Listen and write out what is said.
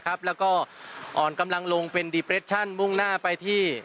นะครับแล้วก็อ่อนกำลังลงเป็นมุ่งหน้าไปที่